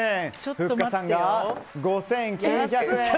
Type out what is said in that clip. ふっかさんが５９００円。